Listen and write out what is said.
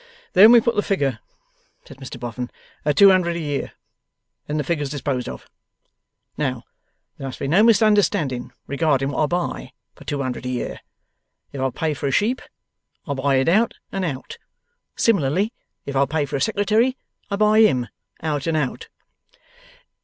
'Then we put the figure,' said Mr Boffin, 'at two hundred a year. Then the figure's disposed of. Now, there must be no misunderstanding regarding what I buy for two hundred a year. If I pay for a sheep, I buy it out and out. Similarly, if I pay for a secretary, I buy HIM out and out.